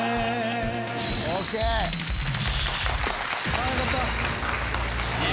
ああよかった。